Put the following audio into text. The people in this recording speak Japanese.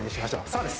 そうです